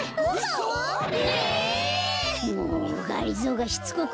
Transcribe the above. もうがりぞーがしつこく